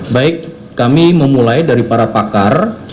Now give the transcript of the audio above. baik kami memulai dari para pakar